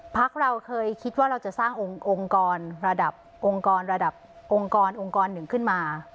พรรคเราเคยคิดว่าเราจะสร้างองค์กรระดับองค์กร๑ขึ้นมา